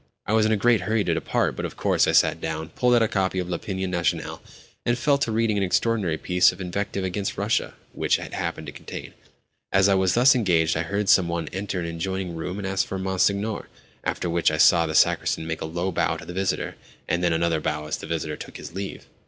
I was in a great hurry to depart, but of course I sat down, pulled out a copy of L'Opinion Nationale, and fell to reading an extraordinary piece of invective against Russia which it happened to contain. As I was thus engaged I heard some one enter an adjoining room and ask for Monsignor; after which I saw the sacristan make a low bow to the visitor, and then another bow as the visitor took his leave.